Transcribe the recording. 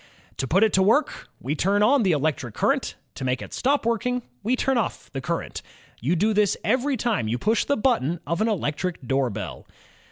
To put it to work, we turn on the electric current; to make it stop working, we turn off the current. You do this every time you push the button of an electric doorbell.